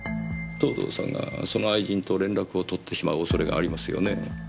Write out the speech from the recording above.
藤堂さんがその愛人と連絡を取ってしまう恐れがありますよね？